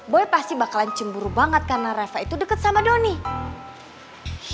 boy pasti bakalan cemburu banget karena reva itu dekat sama donny